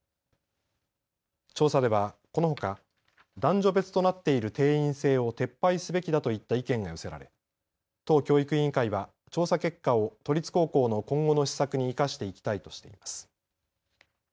調査ではこのほか男女別となっている定員制を撤廃すべきだといった意見が寄せられ都教育委員会は調査結果を都立高校の今後の施策に生かしていきたいとしています。